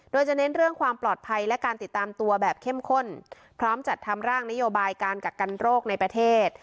โดยจะเน้นเรื่องความปลอดภัยและการติดตามตัวแบบเข้มข้นพร้อมจัดทำร่างนโยบายการกักกันโรคในประเทศ